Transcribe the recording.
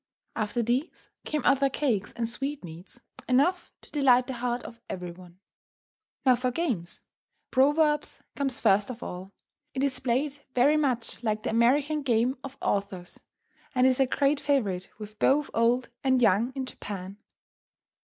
After these came other cakes and sweetmeats, enough to delight the heart of every one. Now for games! Proverbs come first of all. It is played very much like the American game of "Authors," and is a great favourite with both old and young in Japan.